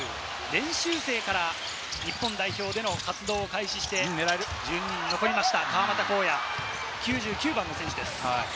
練習生から日本代表での活動を開始して、１２人に残りました、川真田紘也、９９番の選手です。